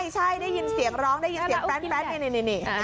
ใช่ได้ยินเสียงร้องและแป๊นนี่นะ